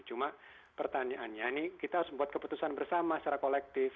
cuma pertanyaannya ini kita harus membuat keputusan bersama secara kolektif